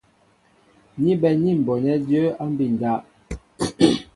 Ni bɛ̌n ní m̀bonɛ́ jə̌ á mbí' ndáp.